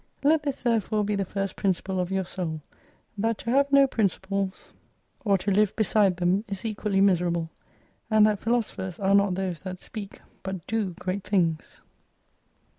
Let this therefore be the first principle of your soul— That to have no principles or to live 238 beside them, is equally miserable. And that philosophers are not those that speak but do great things.